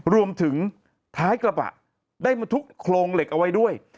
รวมถึงท้ายกระบะได้มาทุกโครงเหล็กเอาไว้ด้วย